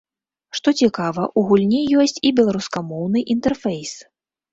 Што цікава, у гульні ёсць і беларускамоўны інтэрфейс.